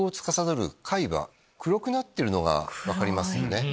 黒くなってるのが分かりますね。